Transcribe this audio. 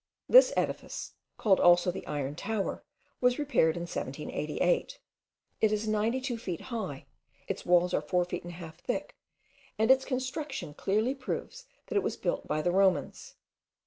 This edifice, called also the Iron Tower, was repaired in 1788. It is ninety two feet high, its walls are four feet and a half thick, and its construction clearly proves that it was built by the Romans.